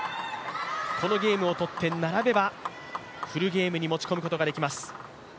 このゲームを取って並べばフルゲームに持ち込むことができます。